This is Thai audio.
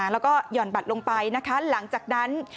แล้วก็หย่อนบัตรลงไปนะคะหลังจากนั้น